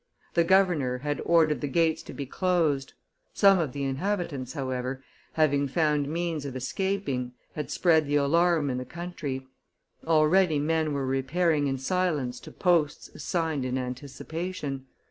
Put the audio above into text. The governor had ordered the gates to be closed; some of the inhabitants, however, having found means of escaping, had spread the alarm in the country; already men were repairing in silence to posts assigned in anticipation.